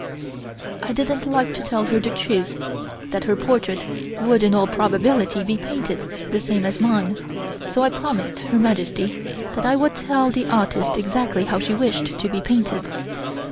I didn't like to tell her the truth, that her portrait would in all probability be painted the same as mine, so I promised Her Majesty that I would tell the artist exactly how she wished to be painted.